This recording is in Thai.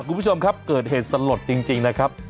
คุณผู้ชมครับเกิดเหตุสลดจริงนะครับ